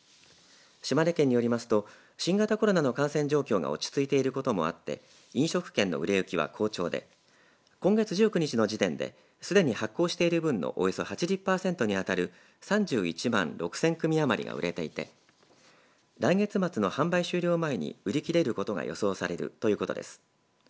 島根県によりますと新型コロナの感染状況が落ち着いていることもあって飲食券の売れ行きは好調で今月１９日の時点ですでに発行している分のおよそ８０パーセントに当たる３１万６０００組余りが売れていて来月末の販売終了前に売り切れることが予想されるということです。